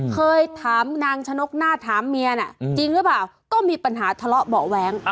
เคยถามนางชะนกหน้าถามเมียน่ะจริงหรือเปล่าก็มีปัญหาทะเลาะเบาะแว้ง